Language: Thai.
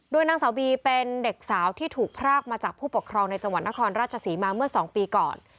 นางสาวบีเป็นเด็กสาวที่ถูกพรากมาจากผู้ปกครองในจังหวัดนครราชศรีมาเมื่อ๒ปีก่อน